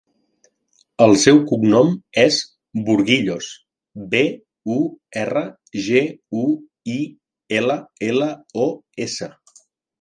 El seu cognom és Burguillos: be, u, erra, ge, u, i, ela, ela, o, essa.